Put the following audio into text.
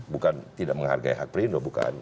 bukan tidak menghargai hak perindo bukan